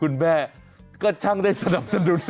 คุณแม่ก็ช่างได้สนับสนุน